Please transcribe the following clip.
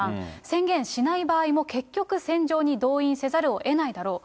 宣言しない場合も結局、戦場に動員せざるをえないだろう。